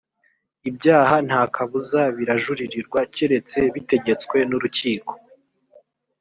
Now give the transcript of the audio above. ibyaha nta kabuza birajuririrwa keretse bitegetswe n’urukiko